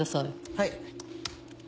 はい。